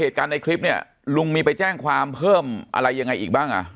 เหตุการณ์ในคลิปเนี่ยลุงมีไปแจ้งความเพิ่มอะไรยังไงอีกบ้างอ่ะ